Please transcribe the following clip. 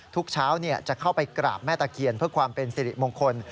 ทุกเช้าจะเข้าไปกราบแม่ตะเคียนเพื่อความเป็นสิริมงคล